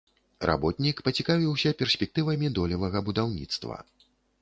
Работнік пацікавіўся перспектывамі долевага будаўніцтва.